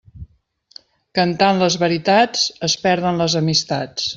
Cantant les veritats es perden les amistats.